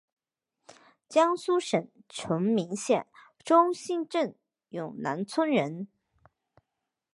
江苏省崇明县中兴镇永南村人。